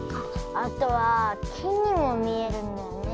あとはきにもみえるんだよね。